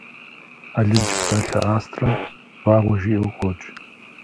Алыдж псалъэ «астрэм» «вагъуэ» жиӏэу къокӏ.